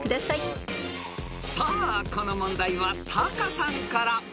［さあこの問題はタカさんから］